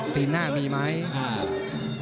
ตีนหน้ามีไหม